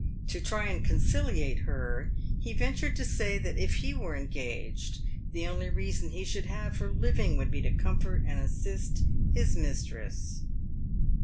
To try and conciliate her, he ventured to say that if he were engaged, the only reason he should have for living would be to comfort and assist his mistress.